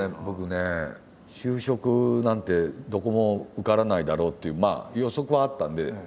僕ね就職なんてどこも受からないだろうっていう予測はあったんで。